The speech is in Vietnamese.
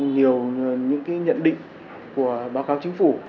nhiều những nhận định của báo cáo chính phủ